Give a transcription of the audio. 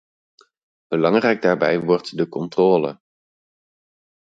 Belangrijk daarbij wordt de controle.